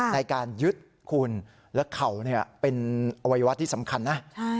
ในการยึดคุณและเข่าเป็นอวัยวะที่สำคัญนะ